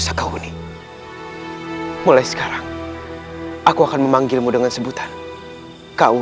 sakauni mulai sekarang aku akan memanggilmu dengan sebutan kau